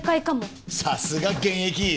さすが現役！